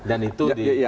dan itu di